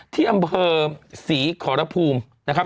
ที่อำเภอศรีขอรภูมินะครับ